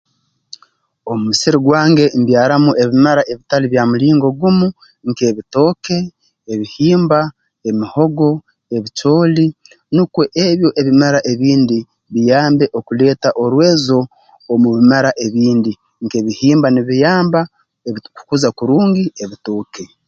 Omu musiri gwange mbyaramu ebimera ebitali bya mulingo gumu nk'ebitooke ebihimba emihogo ebicooli nukwo ebyo ebimera ebindi biyambe okuleeta orwezo omu bimera ebindi nk'ebihimba nibiyamba ebi okukuza kurungi ebitooke